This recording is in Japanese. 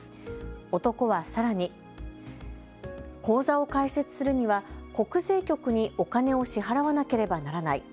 男はさらに口座を開設するには国税局にお金を支払わなければならない。